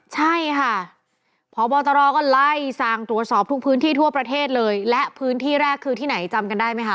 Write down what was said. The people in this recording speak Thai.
ใช่ค่ะพบตรก็ไล่สั่งตรวจสอบทุกพื้นที่ทั่วประเทศเลยและพื้นที่แรกคือที่ไหนจำกันได้ไหมคะ